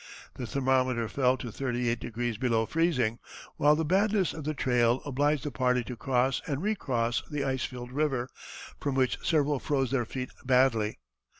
The thermometer fell to thirty eight degrees below freezing, while the badness of the trail obliged the party to cross and recross the ice filled river, from which several froze their feet badly.